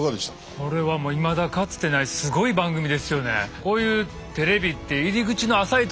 これはいまだかつてないすごい番組ですよね。